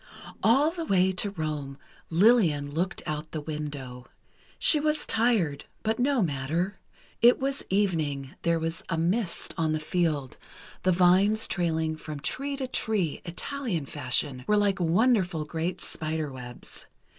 All the way to Rome, Lillian looked out the window. She was tired, but no matter. It was evening, there was a mist on the field—the vines trailing from tree to tree, Italian fashion, were like wonderful great spiderwebs.